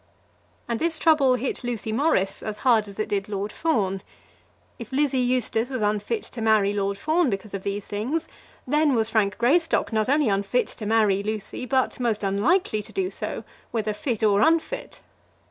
And this trouble hit Lucy Morris as hard as it did Lord Fawn. If Lizzie Eustace was unfit to marry Lord Fawn because of these things, then was Frank Greystock not only unfit to marry Lucy, but most unlikely to do so, whether fit or unfit.